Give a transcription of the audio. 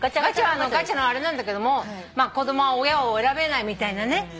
ガチャはガチャのあれなんだけども子供は親を選べないみたいなね